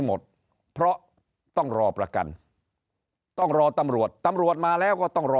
หมดเพราะต้องรอประกันต้องรอตำรวจตำรวจมาแล้วก็ต้องรอ